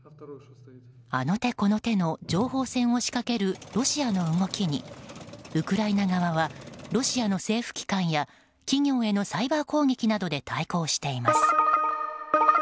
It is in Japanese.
あの手この手の情報戦を仕掛けるロシアの動きにウクライナ側はロシアの政府機関や企業へのサイバー攻撃で対抗しています。